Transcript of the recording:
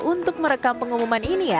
untuk merekam pengumuman ini ya